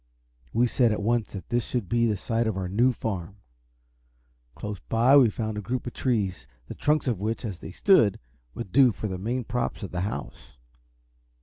We said at once that this should be the site of our new farm. Close by we found a group of trees, the trunks of which, as they stood, would do for the main props of the house.